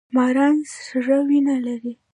ماران سړه وینه لري